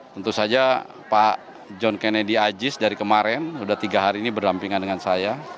tentu saja pak john kennedy ajis dari kemarin sudah tiga hari ini berdampingan dengan saya